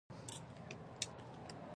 غونډۍ ته يې وکتل.